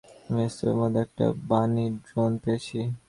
আমি স্তুপের মধ্যে একটা বানি ড্রোন পেয়েছি।